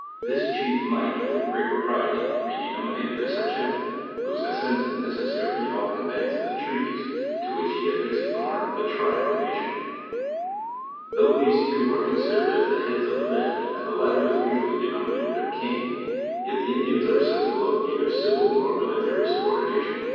This ch.'ef might with great propriety bo denominated their Sachem; whose arsent is neccssarv in all conveyances and treaties, to whic^l he af fixes the mark of the tribe < r nation. Though these two are considered as the heads of the band, and the latter is usually denominated their king, yet the In . dians are sensible of neither civil or military subor. Jination.